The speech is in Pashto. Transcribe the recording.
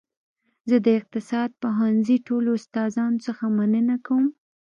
زه د اقتصاد پوهنځي ټولو استادانو څخه مننه کوم